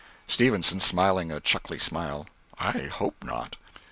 Stevenson, smiling a chuckly smile, "I hope not."